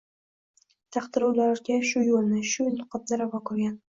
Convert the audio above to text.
Taqdir ularga shu yo‘lni, shu niqobni ravo ko‘rgan.